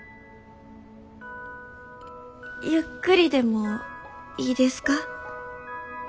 ゆっくりでもいいですか？